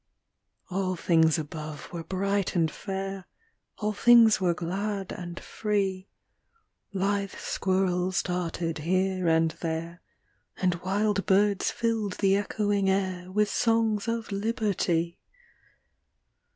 All things above were bright and fair, All things were glad and free; Lithe squirrels darted here and there, And wild birds filled the echoing air With songs of Liberty!